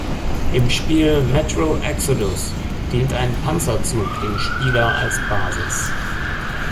Im Spiel "Metro Exodus" dient ein Panzerzug dem Spieler als Basis.